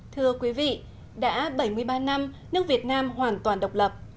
thưa quý vị đã bảy mươi ba năm nước việt nam hoàn toàn độc lập